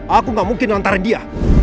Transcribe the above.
aku gak mungkin lontar dia